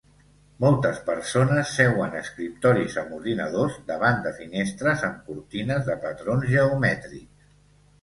Moltes persones seuen a escriptoris amb ordinadors davant de finestres amb cortines de patrons geomètrics